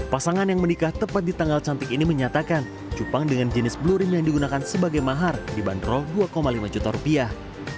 pasangan yang menikah tepat di tanggal cantik ini menyatakan cupang dengan jenis blurin yang digunakan sebagai mahar dibanderol dua lima juta rupiah